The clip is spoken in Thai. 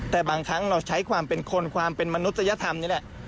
แต่บางครั้งเราใช้ความเป็นคนความเป็นมนุษยธรรมนี่แหละ